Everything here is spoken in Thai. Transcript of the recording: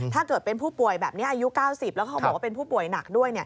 ถ้าเกิดเป็นผู้ป่วยแบบนี้อายุ๙๐แล้วเขาบอกว่าเป็นผู้ป่วยหนักด้วย